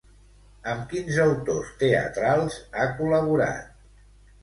Amb quins autors teatrals ha col·laborat?